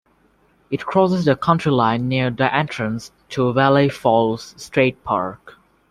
It crosses the county line near the entrance to Valley Falls State Park.